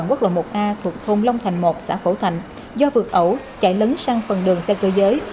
quốc lộ một a thuộc thôn long thành một xã phổ thạnh do vượt ẩu chạy lấn sang phần đường xe cơ giới